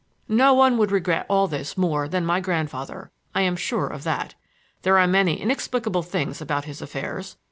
"No one would regret all this more than my grandfather, —I am sure of that. There are many inexplicable things about his affairs.